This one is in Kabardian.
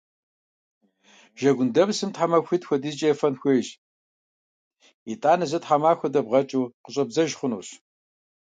Жэгундэпсым тхьэмахуитӀ хуэдизкӀэ ефэн хуейщ. ИтӀанэ зы тхьэмахуэ дэбгъэкӀыу къыщӀэбдзэж хъунущ.